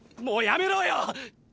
もうやめろよ！！